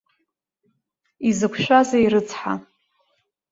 Изықәшәазеи, рыцҳа!